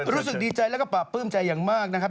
รู้สึกดีใจแล้วก็ปราบปลื้มใจอย่างมากนะครับ